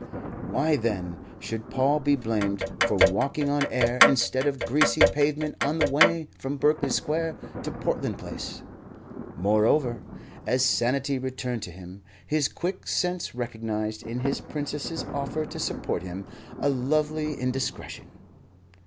Why, then, should Paul be blamed for walking on air instead of greasy pavement on the way from Berkeley Square to Portland Place? Moreover, as sanity returned to him, his quick sense recognized in his Princess's offer to support him, a lovely indiscretion.